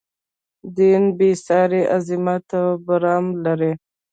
دین بې ساری عظمت او برم لري.